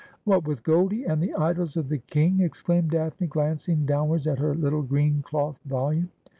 'What, with Goldie and the "Idylls of the King!'" ex claimed Daphne, glancing downwards at her little green cloth volume.